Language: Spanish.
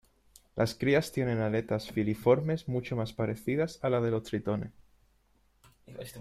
Las crías tienen aletas filiformes mucho más parecidas a las de los tritones.